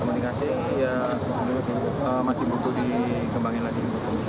kementerian kasih ya masih butuh dikembangin lagi